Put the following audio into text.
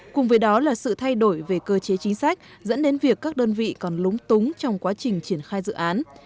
cùng với đó là sự thay đổi về cơ chế chính sách dẫn đến việc các đơn vị còn lúng túng trong quá trình triển khai dự án